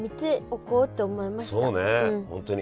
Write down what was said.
本当に。